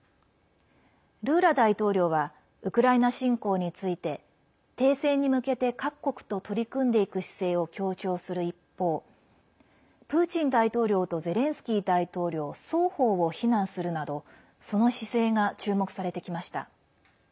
ルーラ大統領はウクライナ侵攻について停戦に向けて各国と取り組んでいく姿勢を強調する一方プーチン大統領とゼレンスキー大統領双方を非難するなどその姿勢が注目されてきました。